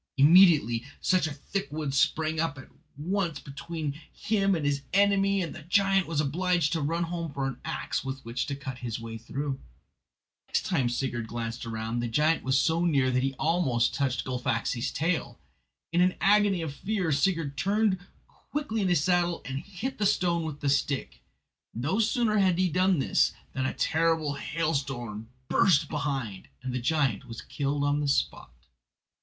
Immediately such a thick wood sprang up at once between him and his enemy that the giant was obliged to run home for an axe with which to cut his way through. The next time Sigurd glanced round, the giant was so near that he almost touched Gullfaxi's tail. In an agony of fear Sigurd turned quickly in his saddle and hit the stone with the stick. No sooner had he done this than a terrible hailstorm burst behind, and the giant was killed on the spot.